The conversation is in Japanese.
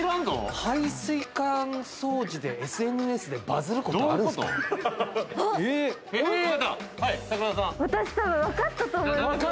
排水管掃除でＳＮＳでバズることあるんすか？